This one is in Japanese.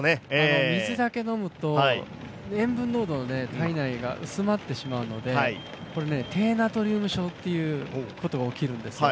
水だけ飲むと、塩分濃度体内で薄まってしまうので低ナトリウム症ということが起きるんですよ。